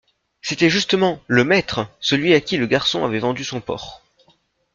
C'était justement «le maître», celui à qui le garçon avait vendu son porc.